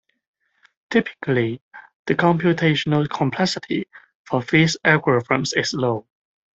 Typically the computational complexity for these algorithms is low.